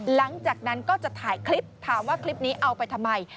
หลังจากนั้นก็จะถ่ายคลิปถามว่าคลิปนี้เอาไปทำไม